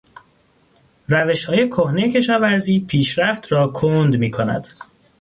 روشهای کهنهی کشاورزی پیشرفت را کند میکند.